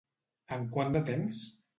En quant de temps?